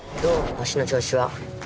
こしの調子は？